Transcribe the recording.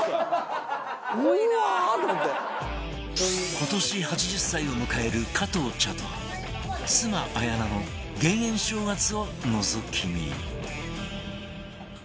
今年８０歳を迎える加藤茶と妻綾菜の減塩正月をのぞき見